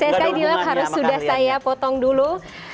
saya sekali dialog harus sudah saya potong dulu